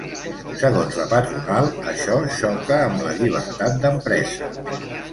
Segons la patronal, això xoca amb la llibertat d’empresa.